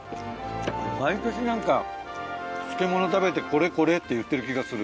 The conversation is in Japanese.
毎年なんか、漬物食べて、これこれって言ってる気がする。